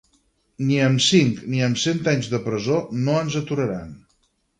Ni amb cinc ni amb cent anys de presó, no ens aturaran.